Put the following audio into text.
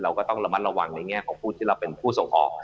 ก็ต้องระมัดระวังในแง่ของผู้ที่เราเป็นผู้ส่งออก